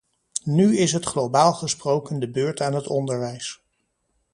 Nu is het globaal gesproken de beurt aan het onderwijs.